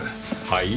はい？